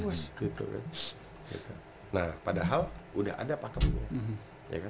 nah padahal udah ada pakemnya